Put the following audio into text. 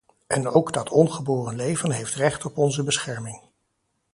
En ook dat ongeboren leven heeft recht op onze bescherming.